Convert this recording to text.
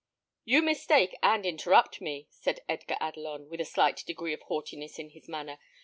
"You mistake and interrupt me," said Edgar Adelon, with a slight degree of haughtiness in his manner.